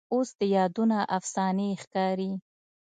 اوس دي یادونه افسانې ښکاري